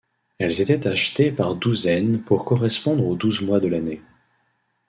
Elles étaient achetées par douzaine pour correspondre aux douze mois de l'année.